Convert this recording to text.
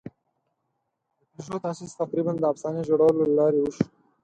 د پيژو تاسیس تقریباً د افسانې جوړولو له لارې وشو.